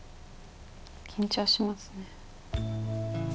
緊張しますね。